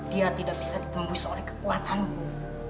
dia tidak bisa ditembus oleh kekuatanmu